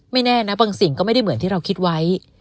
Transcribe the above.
แน่นะบางสิ่งก็ไม่ได้เหมือนที่เราคิดไว้